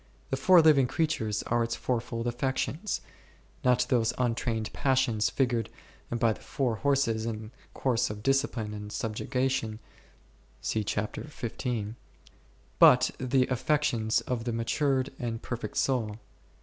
The four living creatures are its fourfold affections, not those untrained passions figured by the four horses in course of discipline and subjugation *, but the affections of the matured and per fect soul.